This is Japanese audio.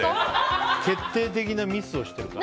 決定的なミスをしてるから。